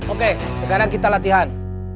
oke sekarang kita latihan